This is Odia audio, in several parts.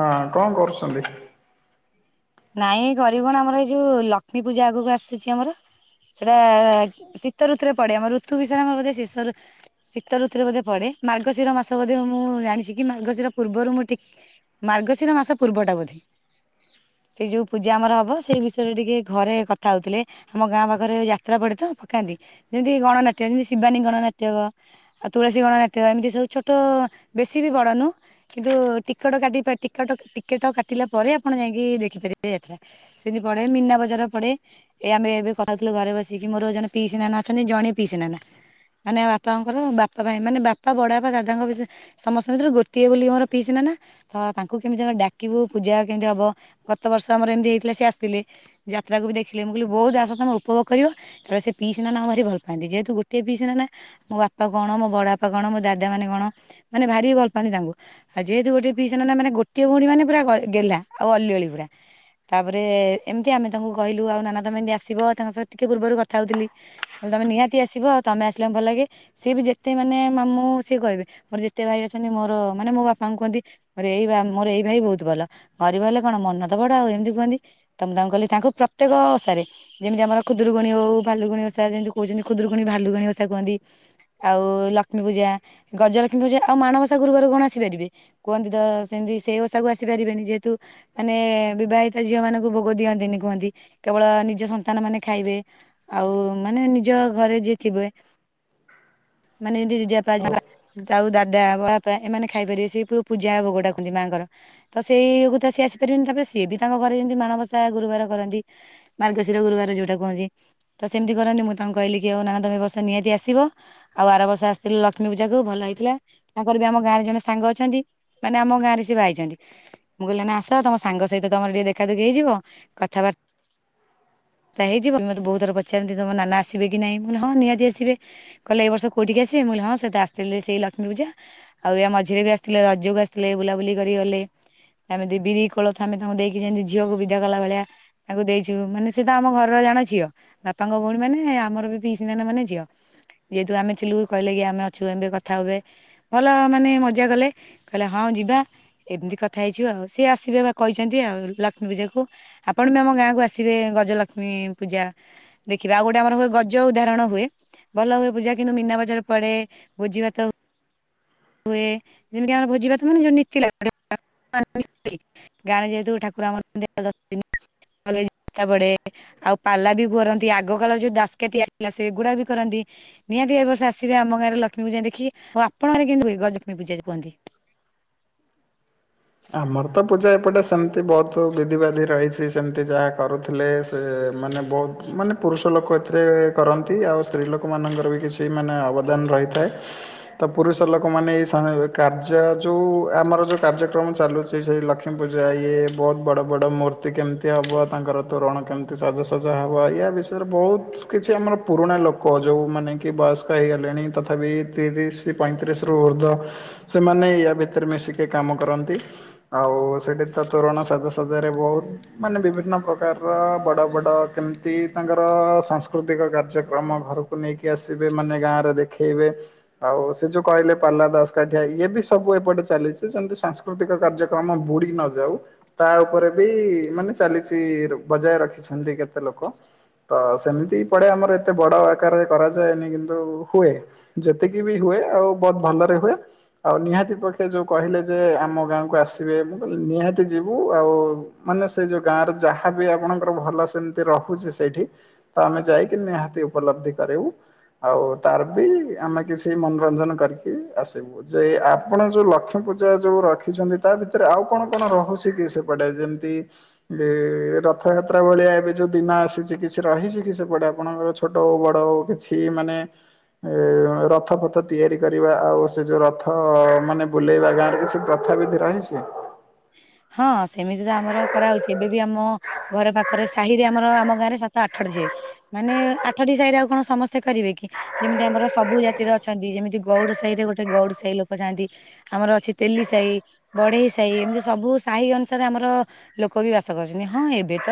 ହଁ କଣ କରୁଛନ୍ତି। ନାଇଁ ଗରିବ କଣ ଆମର ଏଇ ଯୋଉ ଲକ୍ଷ୍ମୀ ପୂଜା ଆଗକୁ ଆସୁଛି ଆମର। ସେଇଆ ଶୀତ ଋତୁରେ ପଡେ ଆମ ଋତୁ ବିଷୟରେ ବୋଧେ ସେଶ ରେ। ଶୀତ ଋତୁରେ ବୋଧେ ପଡେ ମାର୍ଗଶିର ମାସ ବୋଧେ ମୁଁ ଜାଣିଛି କି ମାର୍ଗଶିର ପୂର୍ବରୁ ମୁଁଟିକ୍। ମାର୍ଗଶିର ମାସ ପୂର୍ବଟା ବୋଧେ। ସେ ଯୋଉ ପୂଜା ଆମର ହବ ସେଇ ବିଷୟରେ ଟିକେ ଘରେ କଥା ହୋଉଥିଲେ। ଆମ ଗାଁ ପାଖରେ ଯାତ୍ରା ପଡେ ତ ପକାନ୍ତି ଯେମିତି ଗଣନାଟ୍ୟ ଯେମିତି ଶିବାନୀ ଗଣନାଟ୍ୟକ। ଆଉ ତୁଳସୀ ଗଣନାଟ୍ୟ ଏମିତି ସବୁ ଛୋଟ ବେଶୀ ବି ବଡ଼ ନୁଁଅ। କିନ୍ତୁ ଟିକଟ କାଟି ବା ଟିକଟ ଟିକେଟ କାଟିଲା ପରେ ଆପଣ ଯାଇକି ଦେଖିପାରିବେ ଯାତ୍ରା। ସେମିତି ପଡେ ମୀନା ବଜାର ପଡେ। ଏ ଆମେ ଏବେ କଥା ହେଉଥିଲୁ ଘରେ ବସିକି ମୋର ଜଣେ ପିସି ନାନା ଅଛନ୍ତି ଜଣେ ପିଇସି ନାନା। ମାନେ ବାପାଙ୍କର ବାପା ଭାଇ ମାନେ ବାପା ବଡ଼ ବାପା ଦାଦାଙ୍କ ଭିତରେ। ସମସ୍ତଙ୍କ ଭିତରୁ ଗୋଟିଏ ବୋଲି ମୋର ପିଇସି ନାନା ହଁ ତାଙ୍କୁ କେମିତି ଆମେ ଡାକିବୁ ପୂଜା କେମିତି ହବ। ଗତ ବର୍ଷ ଆମର ଏମିତି ହେଇଥିଲା ସେ ଆସିଥିଲେ ଯାତ୍ରାକୁ ବି ଦେଖିଲେ ମୁଁ କହିଲି ବହୁତ ଆଶା ତମେ ଉପଭୋଗ କରିବ। ତେବେ ସେ ପିଇସି ନାନା ଭାରି ଭଲ ପାଆନ୍ତି ଯେହେତୁ ଗୋଟିଏ ପଇସି ନାନା। ମୋ ବାପା କଣ ମୋ ବଡ ବାପା କଣ ମୋ ଦାଦା ମାନେ କଣ ମାନେ ଭାରି ଭଲ ପାଆନ୍ତି ତାଙ୍କୁ। ଆଉ ଯେହେତୁ ଗୋଟେ ପିଇସି ନାନା ମାନେ ଗୋଟିଏ ଭଉଣୀ ମାନେ ପୁରା ଗେଲା ଆଉ ଅଲିଅଳି ପୁରା। ତାପରେ ଏମିତି ଆମେ ତାଙ୍କୁ କହିଲୁ ଆଉ ନାନା ତମେ ଏମିତି ଆସିବ ତାଙ୍କ ସହିତ ଟିକେ ପୂର୍ବରୁ କଥା ହଉଥିଲି। ତମେ ନିହାତି ଆସିବ ଆଉ ତମେ ଆସିଲେ ଭଲଲାଗେ। ସିଏ ବି ଯେତେ ମାନେ ମାମୁଁ ସିଏ କହିବେ ମୋର ଯେତେ ଭାଇ ଅଛନ୍ତି ମୋର ମାନେ ମୋ ବାପାଙ୍କୁ କୁହନ୍ତି। ମୋର ଏଇ ଭା ମୋର ଏଇ ଭାଇ ବହୁତ ଭଲ ଗରିବ ହେଲେ କଣ ମନ ତ ବଡ ଆଉ ଏମିତି କୁହନ୍ତି। ତମେ ତାଙ୍କୁ କହିଲି ତାଙ୍କୁ ପ୍ରତ୍ୟେକ ଓଷାରେ। ଯେମିତି ଆମର ଖୁରୁକୁଣୀ ହଉ ଭାଲୁକୁଣି ଓଷା ଯେମିତି କହୁଛନ୍ତି ଖୁଦରୁକୁଣୀ ଭାଲୁକୁଣି ଓଷା କୁହନ୍ତି। ଆଉ ଲକ୍ଷ୍ମୀ ପୂଜା ଗଜଲକ୍ଷ୍ମୀ ପୂଜା ଆଉ ମାଣବସା ଗୁରୁବାରେ କଣ ଆସିପାରିବେ। କୁହନ୍ତି ତ ସେମ୍ତି ସେଇ ଓଷାକୁ ଆସିପାରିବେନି ଯେ ହେତୁ ମାନେ ବିବାହିତ ଝିଅ ମାନଙ୍କୁ ଭୋଗ ଦିଅନ୍ତିନି କୁହନ୍ତି। କେବଳ ନିଜ ସନ୍ତାନ ମାନେ ଖାଇବେ ଆଉ ମାନେ ନିଜ ଘରେ ଯିଏ ଥିବେ। ମାନେ ଜେଜି ଜେଜେବାପା ଆଉ ଦାଦା ବଡା ପା ଏମାନେ ଖାଇପାରିବେ ସେଇ ପୂ ପୂଜା ଭୋଗଟା ଖାନ୍ତି ମାଆଙ୍କର ତ ସେଇ ତ ସିଏ ଆସି ପାରିବେନି ତାପରେ ସିଏ ବି ତାଙ୍କ ଘରେ ଏମିତି ମାଣବସା ଗୁରୁବାର କରନ୍ତି। ମାର୍ଗଶିର ଗୁରୁବାର ଯୋଉଟା କୁହନ୍ତି। ତ ସେମ୍ତି କରନ୍ତି ମୁଁ ତାଙ୍କୁ କହିଲି କି ଆଉ ନା ତମେ ଏ ବର୍ଷ ନିହାତି ଆସିବ। ଆଉ ଆର ବର୍ଷ ଆସିଥିଲେ ଲକ୍ଷ୍ମୀ ପୂଜା କୁ ଭଲ ହେଇଥିଲା ତାଙ୍କର ବି ଆମ ଗାଁ ରେ ଜଣେ ସାଙ୍ଗ ଅଛନ୍ତି। ମାନେ ଆମ ଗାଁ ରେ ସେ ବାହା ହେଇଚନ୍ତି। ମୁଁ କହିଲି ନା ଆସ ତମ ସାଙ୍ଗ ସହିତ ତମର ଟିକେ ଦେଖାଦୁଖି ହେଇଯିବ କଥାବାର୍ ତା ହେଇଯିବ ମତେ ବହୁତଥର ପଚାରନ୍ତି ତମ ନାନା ଆସିବେ କି ନାହିଁ ମୁଁ କହିଲି ହଁ ନିହାତି ଆସିବେ। କହିଲେ ଏଇ ବର୍ଷ କଉଠି କି ଆସିବେ ମୁଁକହିଲି ଆସିଥିଲେ ସେଇ ଲକ୍ଷ୍ମୀ ପୂଜା। ଆଉ ଏୟା ମଝିରେ ବି ଆସିଥିଲେ ରଜକୁ ଆସିଥିଲେ ବୁଲାବୁଲି କରି ଗଲେ। ଏମିତି ବିରି କୋଳଥ ଆମେ ତାଙ୍କୁ ଦେଇକି ଯେମିତି ଝିଅକୁ ବିଦା କଲା ଭଳିଆ। ତାଙ୍କୁ ଦେଇଛୁ ମାନେ ସେତ ଆମ ଘରର ଜଣେ ଝିଅ। ବାପାଙ୍କ ଭଉଣୀ ମାନେ ଆମର ବିି ପିଇସୀ ନାନି ମାନେ ଝିଅ। ଯେହେତୁ ଆମେ ଥିଲୁ କହିଲେ କି ଆମେ ଅଛୁ ଏବେ କଥା ହୁବେ। ଭଲ ମାନେ ମଜା କଲେ କହିଲେ ହଁ ଯିବା ଏମ୍ତି କ ଥା ହେଇଚୁ ଆଉ ସିଏ ଆସିବେ ବା କହିଛନ୍ତି ଆଉ ଲକ୍ଷ୍ମୀ ପୂଜାକୁ। ଆପଣ ବି ଆମ ଗାଁକୁ ଆସିବେ ଗଜଲକ୍ଷ୍ମୀ ପୂଜା। ଦେଖିବେ ଆଉ ଗୋଟେ ଆମର ହୁଏ ଗଜ ଉଦାହରଣ ହୁଏ। ଭଲ ହୁଏ ପୂଜା କିନ୍ତୁ ମିନା ବଜାର ପଡେ ଭୋଜୀ ଭାତ ହୁଏ ଯେମ୍ତି ଆମର ଭୋଜୀ ଭାତ ହୁଏନି ଯୋଉ ନୀତି ଲାଗେ। [unintelligible] ଗାଁ ରେ ଯେହେତୁ ଠାକୁର ଆମର। [unintelligible] ଆଉ ପାଲା ବି କରନ୍ତି। ଆଗକାଳ ଯୋଉ ଦାସ୍କାଟିଆ ଥିଲା ସେଗୁଡା ବି କରନ୍ତି। ନିହାତି ଏ ବର୍ଷ ଆସିବେ ଆମ ଗାଁରେ ଲକ୍ଷ୍ମୀ ପୂଯା ଦେଖି। ଆଉ ଆପଣଙ୍କ ଗାଁରେ କେମିତି ଗଜଲକ୍ଷ୍ମୀ ପୂଜା ଯୋଉ କୁହନ୍ତି। ଆମର ତ ପୂଜା ଏପଟେ ସେମ୍ତି ବହୁତ୍ ବିଧିବାଧି ରହିଛି। ସେମ୍ତି ଯାହା କରୁଥିଲେ ମାନେ ବହୁତ୍ ମାନେ ପୁରୁଷ ଲୋକ ଏଥିରେ କରନ୍ତି ଆଉ ସ୍ତ୍ରୀ ଲୋକମାନଙ୍କର ବି କିଛି ମାନେ ଅବଦାନ ରହିଥାଏ। ତ ପୁରୁଷ ଲୋକ ମାନେ ଏଇ ସ କାର୍ଯ୍ୟ ଯୋଉ ଆମର ଯୋଉ କାର୍ଯ୍ୟ କ୍ରମ ଚାଲୁଛି ସେଇ ଲକ୍ଷ୍ମୀ ପୂଜା ଇଏ ବହୁତ୍ ବଡ ବଡ ମୂର୍ତ୍ତି କେମ୍ତି ହବ। ତାଙ୍କର ତୋରଣ କେମ୍ ଏତେ ସଜାସଜା ହବ ୟା ବିଷୟରେ ବହୁତ୍ କିଛି ଆମର ପୁରୁଣା ଲୋକ ଯୋଉମାନୋନେ କି ବୟସ୍କ ହେଇଗଲେଣି ତଥାପି ତିରିଶ୍ ପଇଁତିରିଶ୍ ରୁ ଉର୍ଦ୍ଧ୍ୱ ସେମାନେ ୟା ଭିତରେ ମିଶିକି କାମ କର ନ୍ତି ଆଉ ସେଠି ତ ତୋରଣ ସାଜସଜାରେ ବହୁତ୍ ମାନେ ବିଭିନ୍ନ ପ୍ରକାରର ବଡ଼ ବଡ଼ କେମ୍ତି ତାଙ୍କର ସାଂସ୍କୃତିକ କାର୍ଯ୍ୟକ୍ରମ ଘର କୁ ନେଇକି ଆସିବେ ମାନେ ଗାଁ ରେ ଦେଖେଇବେ। ଆଉ ସେ ଯୋଉ କହିଲେ ପାଲା ଦାସ୍ କାଠିଆ ଇଏ ବି ସବୁ ଏପଟେ ଚାଲିଛି ଯେମତି ସାଂସ୍ କୃତିକ କାର୍ଯ୍ୟକ୍ରମ ବୁଡି ନ ଯାଉ। ତା ଉପରେ ବି ମାନେ ଚାଲିଛି ବଜାୟ ରଖିଛନ୍ତି କେତେ ଲୋକ। ତ ସେମ୍ତି ପଡେ ଆମର ଏତେ ବଡ ଆକାରରେ କରାଯାଏନି କିନ୍ତୁ ହୁଏ। ଯେତିକି ବି ହୁଏ ଆଉ ବହୁତ ଭଲରେ ହୁଏ ଆଉ ନିହାତି ପକ୍ଷେ ଯୋଉ କହିଲେ ଯେ ଆମ ଗାଁକୁ ଆସିବେ ମୁଁ କହିଲି ନିହାତି ଯିବୁ ଆଉ ମାନେ ସେ ଯୋଉ ଗାଁରେ ଯାହାବି ଆପଣଙ୍କର ଭଲ ସେମ୍ତି ରହୁଛି ସେଠି। ତ ଆମେ ଯାଇକି ନିହାତି ଉପଲବ୍ଧି କରିବୁ। ଆଉ ତାର ବି ଆମେ କିଛି ମନୋରଞ୍ଜନ କରିକି ଆସିବୁ। ଯେ ଆପଣ ଯୋଉ ଲକ୍ଷ୍ମୀ ପୂଜା ଯୋଉ ରଖ୍ ଖିଛନ୍ତି ତା ଭିତେରେ ଆଉ କଣ କଣ ରହୁଛି କି ସେପଟେ ଯେମିତି ଏଁ ରଥଯାତ୍ରା ଭଳିଆ ଏବେ ଯୋଉ ଦିନ ଆସିଛି କିଛି ରହିଛି କି ସେପଟେ ଆପଣଙ୍କର ଛ ଛୋଟ ହଉ ବଡ଼ ହଉ କିଛି ମାନେ ଏଁ ରଥ ପଥ ତିଆରି କରିବା? ଆଉ ସେ ଯୋଉ ରଥ ମାନେ ବୁଲେଇବା ଗାଁରେ କିଛି ପ୍ର ଥା ବିିଧି ରହିଛି? ହଁ ସେମିତି ତ ଆମର କରାହଉଛି। ଏବେ ବି ଆମ ଘରେ ପାଖରେ ସାହିରେ ଆମର ଆମ ଗାଁରେ ସାତ ଆଠଟି। [unintelligible] ମାନେ ଆଠଟି ସାହିରେ ଆଉ କଣ ସମସ୍ତେ କରିବେ କି? ଯେମିତି ଆମର ସବୁ ଜାତିର ଅଛନ୍ତି। ଯେମିତି ଗଉଡ଼ ସାହିରେ ଗୋଟେ ଗଉଡ଼ ସାହି ଲୋକ ଥାନ୍ତି। ଆମର ଅଛି ତେଲି ସାହି, ବଢେଇ ସାହି, ଏମିତି ସବୁ ସାହି ଅନୁସାରେ ଆମର ଲୋକ ବି ବାସ କରୁଛନ୍ତି। ହଁ ଏବେ ତ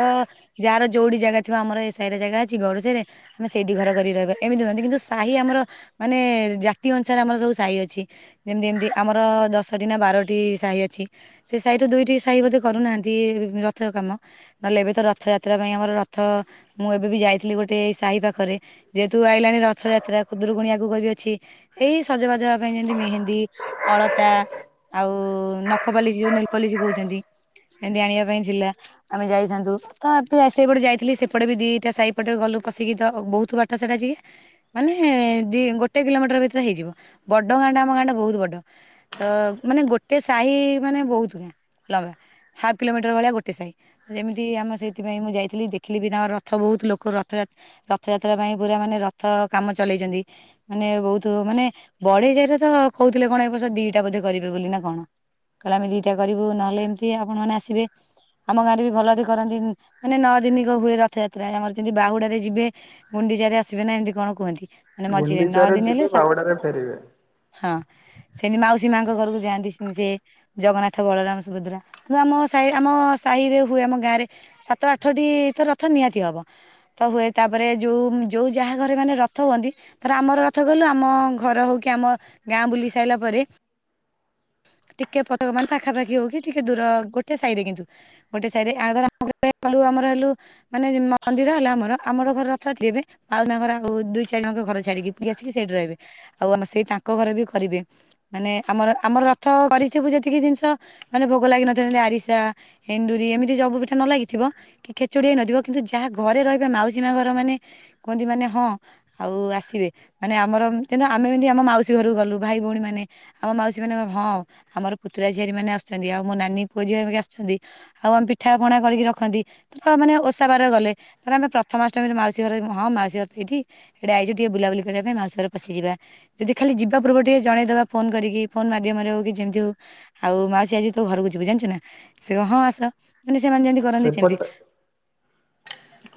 ଯାହାର ଯୋଉଠି ଜାଗା ଥିବ ଆମର ଏ ସାହିରେ ଜାଗା ଅଛି, ଗଉଡ଼ ସାହିରେ ଆମେ ସେଇଠି ଘର କରିକି ରହିବା। ଏମିତି ରୁହନ୍ତି। କିନ୍ତୁ ସାହି ଆମର ମାନେ ଜାତି ଅନୁସାରେ ଆମର ସବୁ ସାହି ଅଛି। ଯେମିତି ଏମିତି ଆମର ଦଶଟି ନା ବାରୋଟି ସାହି ଅଛି। ସେ ସାହିରୁ ଦୁଇଟି ସାହି ବୋଧେ କରୁନାହାନ୍ତି ରଥ କାମ। ନହେଲେ ଏବେ ତ ରଥଯାତ୍ରା ପାଇଁ ଆମର ରଥ ମୁଁ ଏବେ ବି ଯାଇଥିଲି ଗୋଟେ ଏଇ ସାହି ପାଖରେ ଯେହେତୁ ଆଇଲାଣି ରଥଯାତ୍ରା ଖୁଦୁରୁକୁଣି ଆଗୁକୁ ବି ଅଛି। ଏଇ ସଜବାଜ ହେବା ପାଇଁ ଯେମତି ମେହେନ୍ଦୀ, ଅଳତା, ଆଉ ନଖପାଲି ଯୋଉ ନେଲପଲିିସ୍ କହୁଛନ୍ତି। ସେମିତି ଆଣିବା ପାଇଁ ଥିଲା। ଆମେ ଯାଇଥାନ୍ତୁ। ତ ଏବେ [unintelligible] ସେଇପଟେ ଯାଇଥିଲି, ସେପଟେ ବି ଦିଟା ସାହି ପଟେ ଗଲୁ ପଶିକି ତ ବହୁତ ବାଟ ସେଇଟା ଟିକେ ମାନେ ଦି ଗୋଟେ କିଲୋମିଟର ଭିତେରେ ହେଇଯିବ। ବଡ ଗାଁଟା ଆମ ଗାଁଟା ବହୁତ ବଡ। ତ ମାନେ ଗୋଟେ ସାହି ମାନେ ବହୁତ ଗାଁ ଲମ୍ବା। ହାପ୍ କିଲୋମିଟର ଭଳିଆ ଗୋଟେ ସାହି। ଯେମିତି ଆମ ସେଇଥିପାଇଁ ମୁଁ ଯାଇଥିଲି। ଦେଖିଲି ବି ତାଙ୍କର ରଥ ବହୁତ ଲୋକ ରଥଯାତ୍ ରଥଯାତ୍ରା ପାଇଁ ପୁରା ମାନେ ରଥ କାମ ଚଲେଇଛନ୍ତି। ମାନେ ବହୁତ ମାନେ ବଢେଇ ସାହିରେ ତ କହୁଥିଲେ କଣ ଏ ବର୍ଷ ଦିଟା ବୋଧେ କରିବେ ବୋଲି ନା କଣ। କହିଲେ ଆମେ ଦିଟା କରିବୁ। ନହେଲେ ଏମିତି ଆପଣମାନେ ଆସିବେ। ଆମ ଗାଁରେ ବି ଭଲକି କରନ୍ତି। ମାନେ ନଅ ଦିନିକ ହୁଏ ରଥଯାତ୍ରା। ଆମର ଯେମିତି ବାହୁଡାରେ ଯିବେ ଗୁଣ୍ଡିଚାରେ ଆସିବେ ନା ଏମତି କଣ କୁହନ୍ତି। ମାନେ ମଝିରେ ନଅ ଗୁଣ୍ଡିଚାରେ ଦିନି ହେଲେ ଯିବେ ସାତ୍ ବାହୁଡାରେ ଫେରିବେ ହଁ ସେମିତି ମାଉସୀ ମାଆଙ୍କ ଘରୁକୁ ଯାଆନ୍ତି ସେମିତି। ଜଗନ୍ନାଥ, ବଳରାମ, ସୁଭଦ୍ରା। କିନ୍ତୁ ଆମ ସାହି ଆମ ସାହିରେ ହୁଏ ଆମ ଗାଁରେ ସାତ ଆଠଟି ତ ରଥ ନିହାତି ହବ। ରଥ ହୁଏ। ତା ପରେ ଯୋଉ ଯୋଉ ଯାହା ଘରେ ମାନେ ରଥ ହୁଅନ୍ତି ଧର ଆମର ରଥ କଲୁ ଆମ ଘର ହଉ କି ଆମ ଗାଁ ବୁଲି ସାରିଲା ପରେ ଟିକେ ପତ ମାନେ ପାଖାପାଖି ହଉ କି ଟିକେ ଦୂର ଗୋଟେ ସାହିରେ କିନ୍ତୁ ଗୋଟେ ସାହିରେ ଆ [unintelligible] ଆମର ହେଲୁ ମାନେ ଯେମ୍ ମନ୍ଦିର ହେଲା ଆମର। ଆମର ଘର ରଥ [unintelligible] ମାଉସୀ ମାଆ ଘର ଆଉ ଦୁଇ ଚାରି ଜଣଙ୍କ ଘର ଛାଡିକି। ବୁଲିକି ଆସିକି ସେଇଠି ରହିବେ। ଆଉ ଆମ ସେଇ ତାଙ୍କ ଘରେ ବି କରିବେ। ମାନେ ଆମର ଆମର ରଥ କରି ଥିବୁ ଯେତିକି ଜିନିଷ ମାନେ ଭୋଗ ଲାଗି ନଥିବ ଯେମିତି ଆରିସା, ଏଣ୍ଡୁରି ଏମିତି ସବୁ ପିଠା ନ ଲାଗିଥିବ କି ଖେଚୁଡି ହେଇ ନଥିବ କିନ୍ତୁ ଯାହା ଘରେ ରହିବେ ମାଉସୀ ମାଆ ଘର ମାନେ କୁହନ୍ତି ମାନେ ହଁ ଆଉ ଆସିବେ। ମାନେ ଆମର [unintelligible] ଆମେ ଯେମିତି ଆମ ମାଉସୀ ଘରୁକୁ ଗଲୁ ଭାଇ ଭଉଣୀମାନେ ଆମ ମାଉସୀ ମାନେ କହିବେ ହଁ ଆମର ପୁତୁରା ଝିଆରିମାନେ ଆସୁଛନ୍ତି। ଆଉ ମୋ ନାନୀ ପୁଅ ଝିଅ ଘରିକା ଆସୁଛନ୍ତି ଆଉ ଆମେ ପିଠାପଣା କରିକି ରଖନ୍ତି। [unintelligible] ମାନେ ଓଷା ବାରରେ ଗଲେ। ଧର ଆମେ ପ୍ରଥମାଷ୍ଟମୀରେ ମାଉସୀ ଘରେ [unintelligible] ହଁ ମାଉସୀ ଘର ତ ଏଇଠି ଏଇଠି ଆଇଛୁ ଟିକେ ବୁଲାବୁଲି କରିବା ପାଇଁ ମାଉସୀ ଘର ପଶିଯିବା। ଯଦି ଖାଲି ଯିବା ପୂର୍ବୁରୁ ଟିକେ ଜଣେଇଦବା ଫୋନ୍ କରିକି, ଫୋନ୍ ମାଧ୍ୟମରେ ହଉ କି ଯେମ୍ ତି ହଉ। ଆଉ ମାଉସୀ ଆଜି ତୋ ଘରକୁ ଯିବୁ ଜାଣିଛୁ ନା। ସେ କହିବ ହଁ ଆସ। ମାନେ ସେମାନେ ଯେମିତି କରନ୍ତି ସେମିତି ସେପଟେ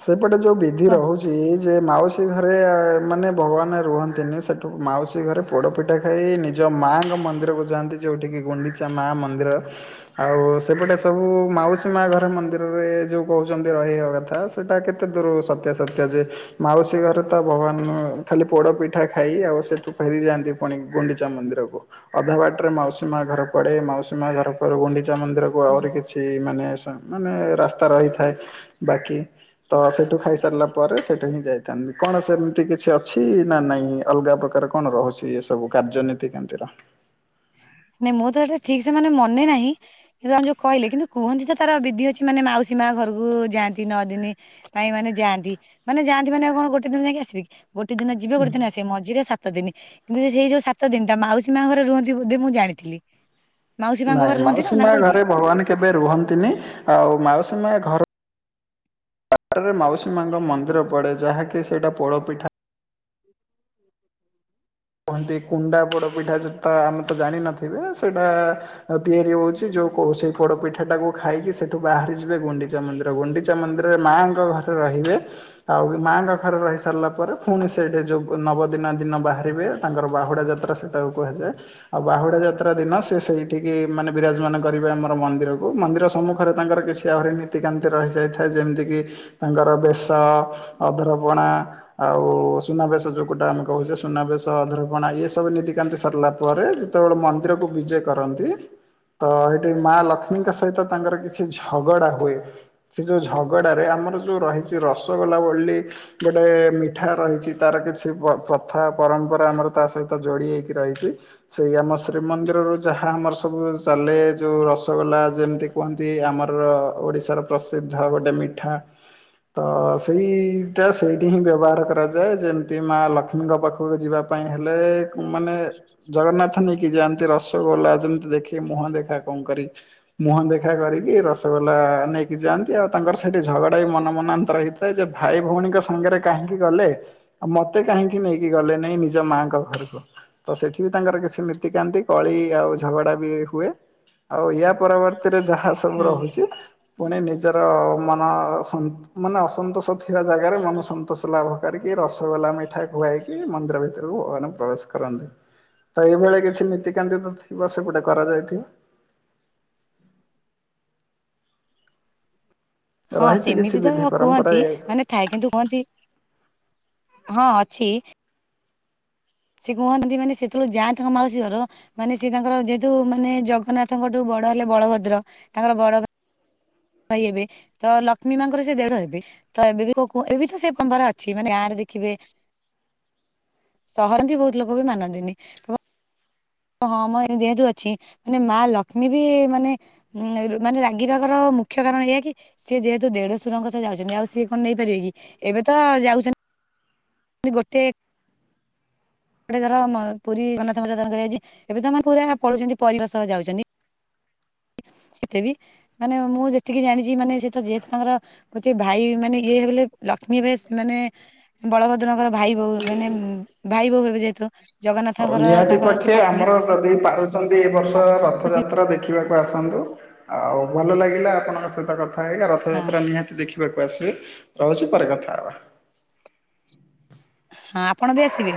ସେପଟେ ଯୋଉ ବିଧି କଣ। ରହୁ ଯେ ମାଉସୀ ଘରେ ମାନେ ଭଗବାନ ରୁହନ୍ତିନି ସେଠୁ ମାଉସୀ ଘରେ ପୋଡ଼ପିଠା ଖାଇ ନିଜ ମାଆଙ୍କ ମନ୍ଦିରକୁ ଯାଆନ୍ତି ଯେଉଁଠିକି ଗୁଣ୍ଡିଚା ମା ମନ୍ଦିର। ଆଉ ସେପଟେ ସବୁ ମାଉସୀ ମା ଘରେ ମନ୍ଦିରରେ ଯୋଉ କହୁଛନ୍ତି ରହିବା କଥା ସେଇଟା କେତେ ଦୂର ସତ୍ୟା ସତ୍ୟା ଯେ। ମାଉସୀ ଘରେ ତ ଭଗବାନ ଖାଲି ପୋଡ ପିଠା ଖାଇ ଆଉ ସେଠୁ ଫେରିଯାଆନ୍ତି। ପୁଣି ଗୁଣ୍ଡିଚା ମନ୍ଦିରକୁ ଅଧା ବାଟରେ ମାଉସୀ ମା ଘର ପଡେ ମାଉସୀ ମା ଘର ପରେ ଗୁଣ୍ଡିଚା ମନ୍ଦିର ଆହୁରି କିଛି ମାନେ ସନ୍ ମାନେ ରାସ୍ତା ରହିଥାଏ ବାକି। ତ ସେଠୁ ଖାଇସାରିଲା ପରେ ସେଠୁ ହିଁ ଯାଇ କଣ ସେମିତି କିଛି ଅଛି ନା ନାଇଁ ଅଲଗା ପ୍ରକାର କଣ ରହୁଛି ଏ ସବୁ କାର୍ଯ୍ୟନୀତି କେମତୀ ରହନ୍ତି? ନାଇଁ ମୁଁ ତ ଏଟା ଠିକ ସେ ମାନେ ମନେ ନାହିଁ ସେ ଜଣେ ଯୋଉ କହିଲେ କିନ୍ତୁ କୁହନ୍ତି ତାର ବିଧି ଅଛି ମାନେ ମାଉସୀ ମା ଘରକୁ ଯାଆନ୍ତି ନ ଦିନି। ପାଇଁ ମାନେ ଯାଆନ୍ତି ମାନେ ଯାଆନ୍ତି ମାନେ କଣ ଗୋଟେ ଦିନ ଯାଇକି ଆସିବେ କି। ଗୋଟେ ଦିନ ଯିବେ ଗୋଟେ ଦିନ ଆସିବେ ମଝିରେ ସାତ ଦିନ କିନ୍ତୁ ସେଇ ଯୋଉ ସାତ ଦିନଟା ମାଉସୀ ମା ଘରେ ରୁହ ବୋଧେ ମୁଁ ଜାଣିଥିଲି। ମାଉସୀ ମାଙ୍କ ନାଇଁ ଘରେ ରୁହନ୍ତି ତ ମାଉସୀ ନା ମା କୋଉଠି ଘରେ ଭଗବାନ କେବେ ରୁହନ୍ତିନି ଆଉ ମାଉସୀ ମା ଘର ପାରେ ମାଉସୀ ମାଙ୍କ ମନ୍ଦିର ପଡେ ଯାହାକି ସେଇଟା ପୋଡ ପିଠା କୁହନ୍ତି କୁଣ୍ଡା ପୋଡ ପିଠା ଯେ ତ ଆମେ ତ ଜାଣିନଥିବେ ସେଟା ଆଉ ତିଆରି ହଉଛି ଯୋଉ କହୁଛେ ପୋଡପିଠା ଟାକୁ ଖାଇକି ସେଠୁ ବାହାରି ଯିବେ ଗୁଣ୍ଡିଚା ମନ୍ଦିର ଗୁଣ୍ଡିଚା ମନ୍ଦିରରେ ମାଆଙ୍କ ଘରେ ରହିବେ। ଆଉ ମାଆଙ୍କ ଘରେ ରହି ସାରିଲା ପରେ ପୁଣି ସେଠି ଯୋଉ ନବଦିନ ଦିନ ବାହାରିବେ। ତାଙ୍କର ବାହୁଡ଼ା ଯାତ୍ରା ସେଇଟାକୁ କୁହାଯାଏ। ଆଉ ବାହୁଡା ଯାତ୍ରା ଦିନ ସେ ସେଇଠିକି ମାନେ ବିରାଜମାନ କରିବେ ଆମର ମନ୍ଦିରକୁ ମନ୍ଦିର ସମ୍ମୁଖରେ ତାଙ୍କର କିଛି ଆହୁରି ନୀତିକାନ୍ତି ରହିଯାଇଥାଏ ଯେମିତିକି ତାଙ୍କର ବେଶ ଅଧରପଣା ଆଉ ସୁନାବେଶ ଯୋଉଟା ଆମେ କହୁଛେ ସୁନାବେ ଅଧର ପଣା ଏ ସବୁ ନୀତିକାନ୍ତି ସରିଲା ପରେ ଯେତେବେଳେ ମନ୍ଦିରକୁ ବିଜେ କରନ୍ତି ତ ଏଠି ମା ଲକ୍ଷ୍ମୀଙ୍କ ସହିତ ତାଙ୍କର କିଛି ଝଗଡା ହୁଏ। ସେ ଯୋଉ ଝଗଡାରେ ଆମର ଯୋଉ ରହିଛି ରସଗୋଲା ବୋଲି ଗୋଟେ ମିଠା ରହିଛି ତାର କିଛି ପ ପ୍ରଥା ପରମ୍ପରା ଆମର ତା ସହିତ ଯୋଡ଼ି ହେଇକି ରହିଛି। ସେଇ ଆମ ଶ୍ରୀମନ୍ଦିରରୁ ଯାହା ଆମର ସବୁ ଚାଲେ ଯୋଉ ରସଗୋଲା ଯେମିତି କୁହନ୍ତି ଆମର ଓଡ଼ିଶାର ପ୍ରସିଦ୍ଧ ଗୋଟେ ମିଠା। ତ ସେଇଟା ସେଇଠି ହିଁ ବ୍ୟବହାର କରାଯାଏ ଯେମିତି ମା ଲକ୍ଷ୍ମୀଙ୍କ ପା ପାଖକୁ ଯିବା ପାଇଁ ହେଲେ ମାନେ ଜଗନ୍ନାଥ ନେଇକି ଯାଆ ରସଗୋଲା ଯେମିତି ଦେଖି ମୁହଁ ଦେଖା କଣ କରିବି। ମୁହଁ ଦେଖା କରିକି ରସଗୋଲା ନେଇକି ଯାଆନ୍ତି ଆଉ ତାଙ୍କର ସେଠି ଝଗଡା ବି ମନ ମନାନ୍ତର ହେ ଯେ ଭାଇ ଭଉଣୀଙ୍କ ସାଙ୍ଗରେ କାହିଁକି ଗଲେ ଆଉ ମତେ କାହିଁକି ନେ କି ଗଲେନି ନାଇଁ ନିଜ ମାଙ୍କ ଘରକୁ ତ ସେଠି ବି ତାଙ୍କର କିଛି ନୀତିକାନ୍ତି କଳି ଆଉ ଝଗଡା ବି ହୁଏ ଆଉ ୟା ପରବର୍ତ୍ତୀରେ ଯାହା ସବୁ ହୁଁ ରହୁଛି ପୁଣି ନିଜର ମନ [unintelligible] ମାନେ ଅସନ୍ତୋଷ ଥିବା ଜାଗାରେ ମନ ସନ୍ତୋଷ ଲାଭ କରିକି ରସଗୋଲା ମିଠା ଖୁଆ ମନ୍ଦିର ଭିତରକୁ ଭଗବାନ ପ୍ରବେଶ କରନ୍ତି। ତ ଏଇଭଳିଆ କିଛି ନୀତିକାନ୍ତି ତ ଥିବ ସେ ଗୁଟେ କରାଯାଇଥିବ। ହଁ ରହିଛି କିଛି ସେମିତି ତ ବିଧି ପରମ୍ପରା କୁହନ୍ତି ଏ ମାନେ ଥାଏ କିନ୍ତୁ କୁହନ୍ତି ହଁ ଅଛି। ସେ କୁହନ୍ତି ମାନେ ଯେତେବେଳେ ଯାଆନ୍ତି ତାଙ୍କ ମାଉସୀ ଘର ମାନେ ସେ ତାଙ୍କର ଯେହେତୁ ମାନେ ଜଗନ୍ନାଥଙ୍କଠୁ ବଡ ହେଲେ ବଳଭଦ୍ର ତାଙ୍କର ବଡ ଭାଇ ହେବେ ତ ଲକ୍ଷ୍ମୀ ମାଙ୍କର ସେ ଦେଢ ହେବେ। ତ ଏବେ ବି ଏବେ ବି ସେ ପରମ୍ପରା ଅଛି ମାନେ ଗାଁରେ ଦେଖିବେ। ସହରରେ ବି ବହୁତ ଲୋକ ବି ମାନନ୍ତିନି। ହଁ ମଁ ଯେହେତୁ ଅଛି ମାନେ ମା ଲକ୍ଷ୍ମୀ ବି ମାନେ ଉଁ ମାନେ ରାଗିିବାର ମୁଖ୍ୟ କାରଣ ଏହାଇ କି ସିଏ ଯେହେତୁ ଦେଢ ସୁରଙ୍କ ସହ ଯାଉଛନ୍ତି ଆଉ ସିଏ କଣ ନେଇପାରିବେ କି ଏବେ ତ ଯାଉଛନ୍ତି ଗୋଟେ ଗୋଟେଥର ପୁରୀ ଜଗନ୍ନାଥ ମନ୍ଦିର ଦନ କରିଯାଉଛି ଏବେ ତ ମାନେ ପୁରା ପଳଉଛନ୍ତି ପରିବାର ସହ ଯାଉଛନ୍ତି। ସେତେ ବି ମାନେ ମୁଁ ଯେତିକି ଜାଣିଛି ମାନେ ସେ ତ ଯେହେତୁ ତାଙ୍କର କହୁଛି ଭାଇ ମାନେ ଇଏ ହେଲେ ଲକ୍ଷ୍ମୀ ଭାଇ ମାନେ ବଳଭଦ୍ରଙ୍କର ଭାଇ ବୋହୁ ମାନେ ଭାଇ ବୋହୁ ହେବେ ଯେହେତୁ ହଉ ଜଗନ୍ନାଥଙ୍କର ନିହାତି ତାଙ୍କର ସେ ପକ୍ଷେ ପତ୍ନୀ ଆମର ଯଦି ପାରୁଛନ୍ତି ଏ ବର୍ଷ ତ ରଥଯାତ୍ରା ସେ ଦେଖ ଦେଖିବାକୁ ଆସନ୍ତୁ ଆଉ ଭଲ ଲାଗିଲା ଆପଣଙ୍କ ସହିତ କଥା ହେଇ ହଁ ରଥଯାତ୍ରା ନିହାତି ଦେଖ ଦେଖିବାକୁ ଆସିବେ ରହୁଛି ପରେ କଥା ହେବା। ହଁ ଆପଣ ବି ଆସିବେ।